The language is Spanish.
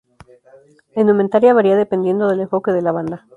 La indumentaria varía dependiendo del enfoque de la banda.